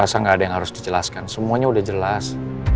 yang harus dijelaskan semuanya udah jelas